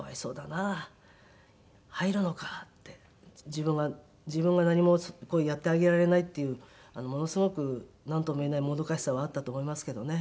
自分が自分が何もやってあげられないっていうものすごくなんともいえないもどかしさはあったと思いますけどね